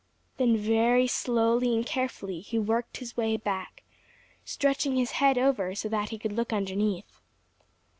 Then very slowly and carefully he worked his way back, stretching his head over so that he could look underneath.